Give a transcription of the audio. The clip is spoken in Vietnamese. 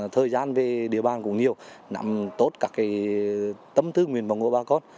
thời gian về địa bàn cũng nhiều nắm tốt các cái tâm tư nguyện vào ngôi bà con